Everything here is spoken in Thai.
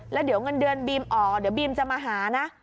แล้วเดี๋ยวเงินเดือนบีมอ๋อเดี๋ยวบีมจะมาหานะ